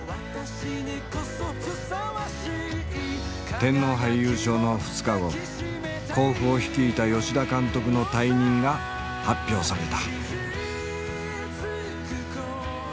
天皇杯優勝の２日後甲府を率いた吉田監督の退任が発表された。